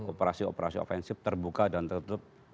operasi operasi ofensif terbuka dan tertutup